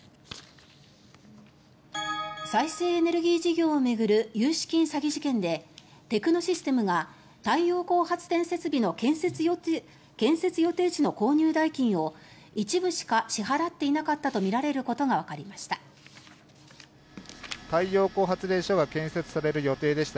再生エネルギー事業を巡る融資金詐欺事件でテクノシステムが太陽光発電設備の建設予定地の購入代金を一部しか支払っていなかったとみられることがわかりました。